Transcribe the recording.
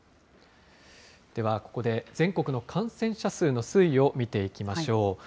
では、ここで全国の感染者数の推移を見ていきましょう。